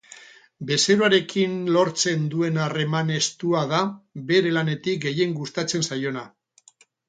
Bezeroarekin lortzen duen harreman estua da bere lanetik gehien gustatzen zaiona.